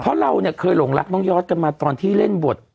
เพราะเราเนี่ยเคยหลงรักน้องยอดกันมาตอนที่เล่นบท